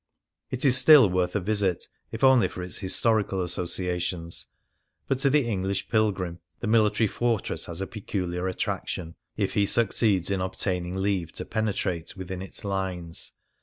It is still worth a visit, if only for its historical associations, but to the English pilgrim the military fortress has a peculiar attraction, if he succeeds in obtaining leave to penetrate within its lines.